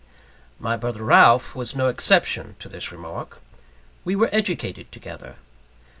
My brother Ralph was no exception to this remark. We were educated together.